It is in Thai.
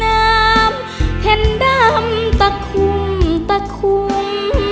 น้ำเห็นดำตะคุ่มตะคุ่ม